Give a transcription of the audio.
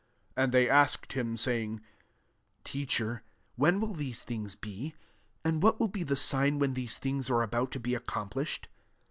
7 And they asked him, 8a3riag. << Teacher, but when will these things be ? and what will be the sign when these things are about to be accomplished?"